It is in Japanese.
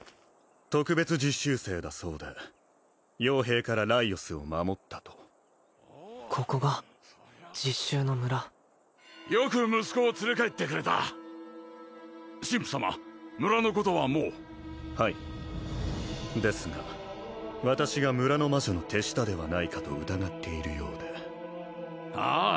特別実習生だそうで傭兵からライオスを守ったとここが実習の村よく息子を連れ帰ってくれた神父様村のことはもうはいですが私が村の魔女の手下ではないかと疑っているようでああ